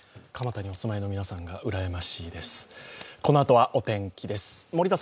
蒲田にお住まいの皆さんがうらやましいです。